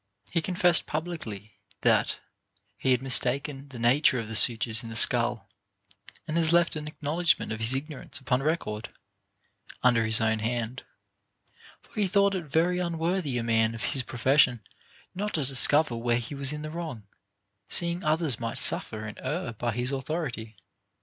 He confessed publicly, that he had mistaken the nature of the sutures in the skull, and has left an acknowledgment of his ignorance upon record, under his own hand ; for he thought it very un worthy a man of his profession not to discover where he was in the wrong, seeing others might suffer and err by his authority.